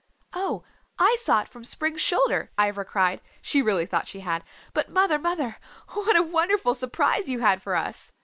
"Oh, I saw it from Spring's shoulder," Ivra cried she really thought she had "But mother, mother, what a wonderful surprise you had for us!"